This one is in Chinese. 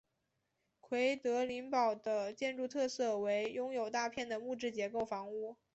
奎德林堡的建筑特色为拥有大片的木质结构房屋。